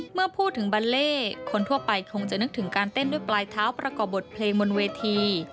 เมื่อพูดถึงบัลเล่คนทั่วไปคงจะนึกถึงการเต้นด้วยปลายเท้าประกอบบทเพลงบนเวที